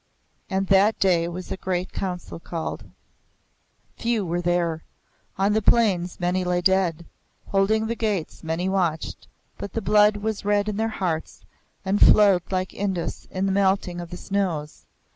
And that day was a great Council called. Few were there. On the plains many lay dead; holding the gates many watched; but the blood was red in their hearts and flowed like Indus in the melting of the snows.